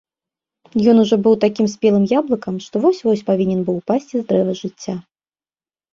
Ён ужо быў такім спелым яблыкам, што вось-вось павінен быў упасці з дрэва жыцця.